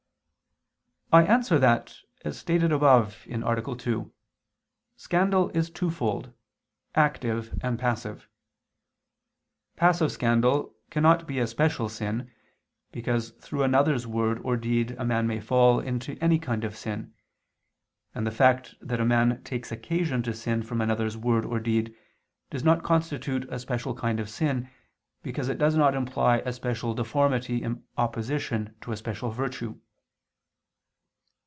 I answer that, As stated above (A. 2), scandal is twofold, active and passive. Passive scandal cannot be a special sin, because through another's word or deed a man may fall into any kind of sin: and the fact that a man takes occasion to sin from another's word or deed, does not constitute a special kind of sin, because it does not imply a special deformity in opposition to a special virtue.